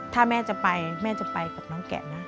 ถ้าแม่จะไปแม่จะไปกับน้องแกะนะ